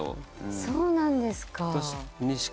そうなんですか。